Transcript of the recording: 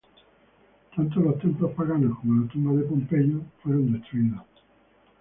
Tanto los templos paganos como la tumba de Pompeyo fueron destruidos.